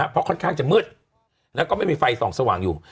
เพราะค่อนข้างจะมืดแล้วก็ไม่มีไฟส่องสว่างอยู่